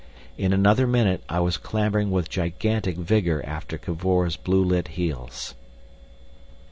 In other minute I was clambering with gigantic vigour after Cavor's blue lit heels.